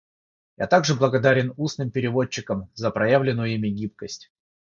Я также благодарен устным переводчикам за проявленную ими гибкость.